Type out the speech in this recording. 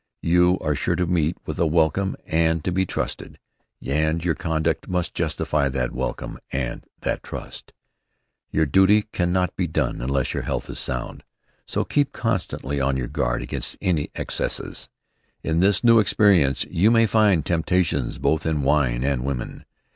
You are sure to meet with a welcome and to be trusted; and your conduct must justify that welcome and that trust. Your duty cannot be done unless your health is sound. So keep constantly on your guard against any excesses. In this new experience you may find temptations both in wine and women.